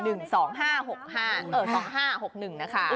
เออ๒๕๖๑นะคะ